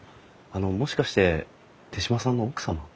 あのもしかして手島さんの奥様？